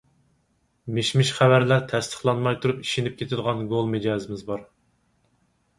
مىش-مىش خەۋەرلەر تەستىقلانماي تۇرۇپ ئىشىنىپ كېتىدىغان گول مىجەزىمىز بار.